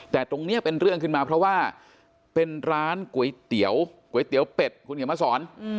แต่ตรงนี้เป็นเรื่องขึ้นมาเพราะว่าเป็นร้านก๋วยเตี๋ยวก๋วยเตี๋ยวเป็ดคุณเขียนมาสอน